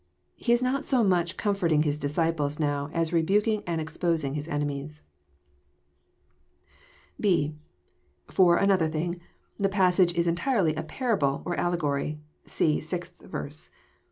He is not so much com forting His disciples now, as rebuking and exposing His enemies. (6) For another thing, the passage is entirely a parable, or alle gory. (See sixth verse.)